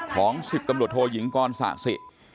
๑๐ตำรวจโทยิงกรสะสิ